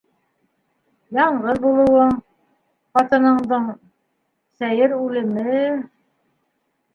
Яңғыҙ булыуың, ҡатыныңдың... сәйер үлеме...